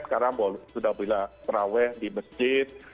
sekarang sudah bisa terawet di masjid